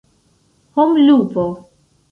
homlupo